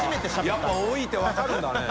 やっぱ多いって分かるんだね。